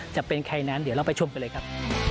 จะเป็นใครนั้นเดี๋ยวเราไปชมกันเลยครับ